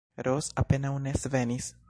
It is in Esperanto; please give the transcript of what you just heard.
Ros apenaŭ ne svenis.